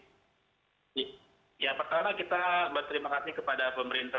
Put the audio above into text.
oke yang pertama kita berterima kasih kepada pemerintah